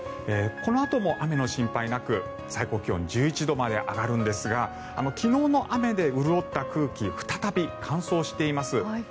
このあとも雨の心配なく最高気温、１１度まで上がるんですが昨日の雨で潤った空気再び乾燥しています。